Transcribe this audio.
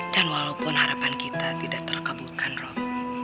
dan walaupun harapan kita tidak terkabutkan rob